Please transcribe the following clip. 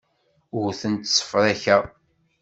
Ur tent-ssefrakeɣ.